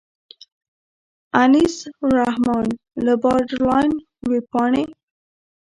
انیس الرحمن له باډرلاین وېبپاڼې.